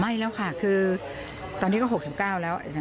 ไม่แล้วค่ะคือตอนนี้ก็๖๙แล้ว